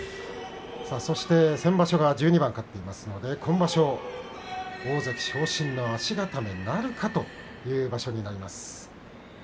そして先場所は１２番勝っていますので、今場所大関昇進の足固めなるかという場所になります。